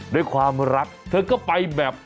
ด้วยความรักเธอก็ไปแบบ